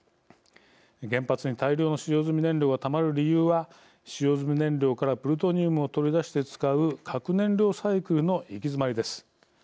原発に大量の使用済み燃料がたまる理由は使用済み燃料からプルトニウムを取り出して使う核燃料サイクルの行き詰まりです。